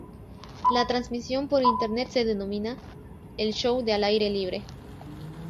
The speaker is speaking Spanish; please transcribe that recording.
La transmisión por internet se denomina "El Show de Al Aire Libre".